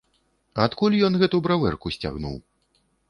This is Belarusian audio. Адкуль ён гэту бравэрку сцягнуў?